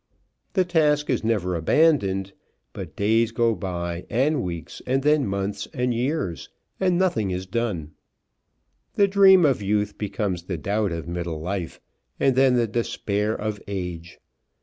The task is never abandoned; but days go by and weeks; and then months and years, and nothing is done. The dream of youth becomes the doubt of middle life, and then the despair of age.